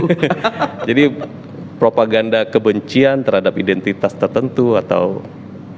hahaha semua orang tahu hahaha jadi propaganda kebencian terhadap identitas tertentu atau identitas lawan